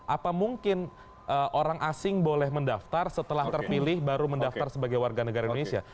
apa mungkin orang asing boleh mendaftar setelah terpilih baru mendaftar sebagai warga negara indonesia